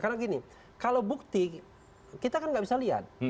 karena gini kalau bukti kita kan nggak bisa lihat